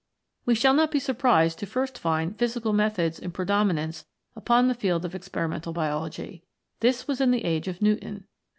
We shall not be surprised to first find physical methods in predominance upon the field of Ex perimental Biology. This was in the age of Newton.